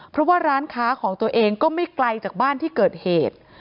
เพราะว่าร้านค้าของตัวเองก็ไม่ไกลจากบ้านที่เกิดเหตุ